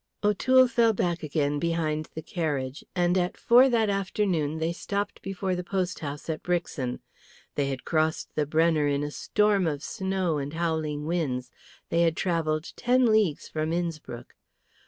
O'Toole fell back again behind the carriage, and at four that afternoon they stopped before the post house at Brixen. They had crossed the Brenner in a storm of snow and howling winds; they had travelled ten leagues from Innspruck.